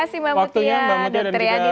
waktunya mbak mutia dan juga dr yadi